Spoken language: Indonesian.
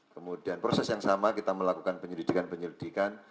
kemudian proses yang sama kita melakukan penyelidikan penyelidikan